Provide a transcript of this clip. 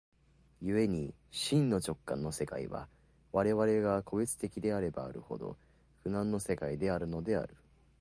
故に真の直観の世界は、我々が個物的であればあるほど、苦悩の世界であるのである。